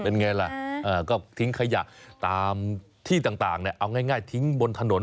เป็นไงล่ะก็ทิ้งขยะตามที่ต่างเอาง่ายทิ้งบนถนน